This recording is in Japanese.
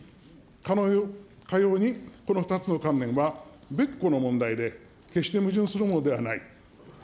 かように、この２つの観念は別個の問題で、決して矛盾するものではない。